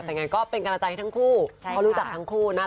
แต่ยังไงก็เป็นกำลังใจให้ทั้งคู่และดีใจทั้งคู่น่ะ